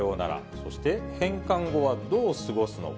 そして返還後はどう過ごすのか。